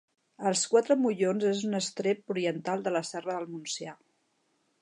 Els Quatre Mollons és un estrep oriental de la Serra del Montsià.